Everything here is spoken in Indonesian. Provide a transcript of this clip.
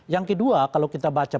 yang kedua kalau kita baca